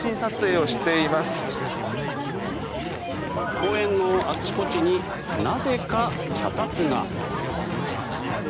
公園のあちこちになぜか脚立が。